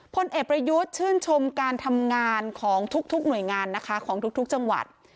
พลเอกประยุทธ์ชื่นชมการทำงานของทุกหน่วยงานนะคะของทุกจังหวัด